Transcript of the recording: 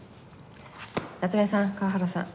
夏目さん河原さん